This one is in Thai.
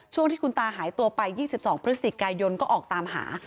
ช่วงที่คุณตาหายตัวไป๒๒พฤศจิกายนก็ออกตามหา